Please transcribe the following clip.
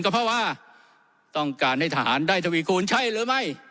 ก็เพราะว่าต้องการให้ทหารได้ทวีคูณใช่หรือไม่